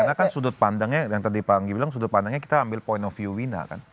karena kan sudut pandangnya yang tadi pak anggi bilang sudut pandangnya kita ambil point of view wina